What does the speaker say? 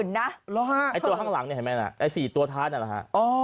ไอ้ตัวข้างหลังเนี่ยเห็นไหมล่ะไอ้๔ตัวท้ายนั่นแหละฮะ